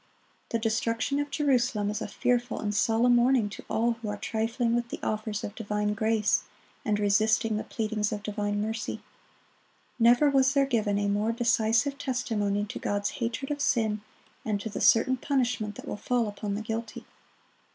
The destruction of Jerusalem is a fearful and solemn warning to all who are trifling with the offers of divine grace, and resisting the pleadings of divine mercy. Never was there given a more decisive testimony to God's hatred of sin, and to the certain punishment that will fall upon the guilty.